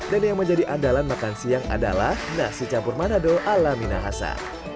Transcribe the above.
dan yang menjadi andalan makan siang adalah nasi campur madado ala minahasa